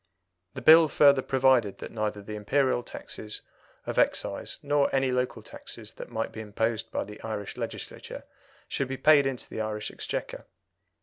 The Bill further provided that neither the Imperial taxes of Excise nor any Local taxes that might be imposed by the Irish Legislature should be paid into the Irish Exchequer.